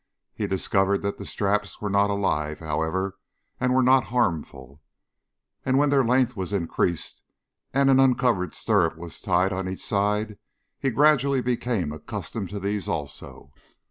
He discovered that the straps were not alive, however, and were not harmful. And when their length was increased and an uncovered stirrup was tied on each side, he gradually became accustomed to these also.